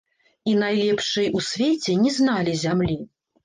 І найлепшай у свеце не зналі зямлі.